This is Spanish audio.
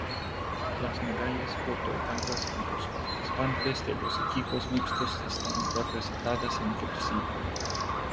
Las medallas otorgadas a los participantes de los equipos mixtos están representadas en "cursiva".